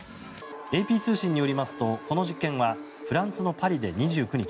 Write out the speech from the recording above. ＡＰ通信によりますとこの実験はフランスのパリで２９日